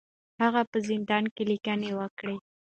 هغه په زندان کې لیکنې وکړې.